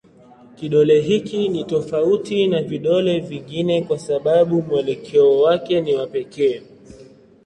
Kidole hiki ni tofauti na vidole vingine kwa sababu mwelekeo wake ni wa pekee.